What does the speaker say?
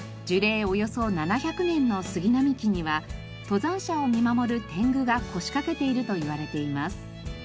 およそ７００年の杉並木には登山者を見守る天狗が腰掛けているといわれています。